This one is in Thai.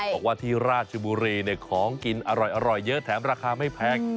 บอกว่าที่ราชบุรีของกินอร่อยเยอะแถมราคาไม่แพง